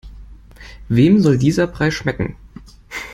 Wem soll dieser Brei schmecken?